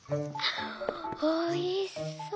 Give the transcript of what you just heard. おいしそう！」。